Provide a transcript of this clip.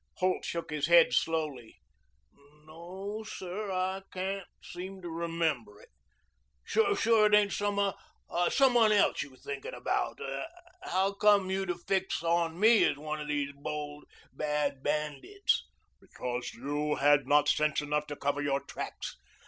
Holt shook his head slowly. "No, sir. I can't seem to remember it. Sure it ain't some one else you're thinking about? Howcome you to fix on me as one of the bold, bad bandits?" "Because you had not sense enough to cover your tracks.